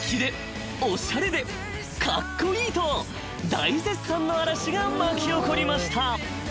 ［大絶賛の嵐が巻き起こりました］